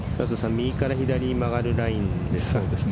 右から左曲がるラインですかね。